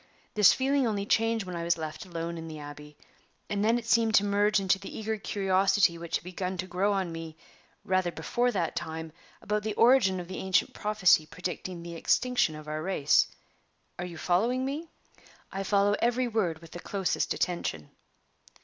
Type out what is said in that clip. This feeling only changed when I was left alone in the Abbey; and then it seemed to merge into the eager curiosity which had begun to grow on me, rather before that time, about the origin of the ancient prophecy predicting the extinction of our race. Are you following me?" "I follow every word with the closest attention."